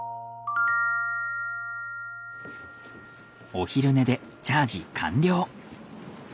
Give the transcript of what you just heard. お昼寝でチャージ完了。